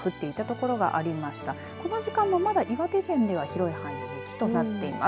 この時間も、まだ岩手県では広い範囲で雪となっています。